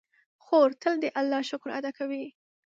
خور تل د الله شکر ادا کوي.